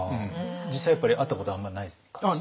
実際やっぱり会ったことあんまない感じですか？